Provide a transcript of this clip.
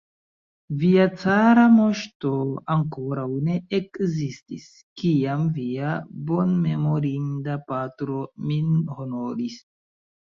Via cara moŝto ankoraŭ ne ekzistis, kiam via bonmemorinda patro min honoris.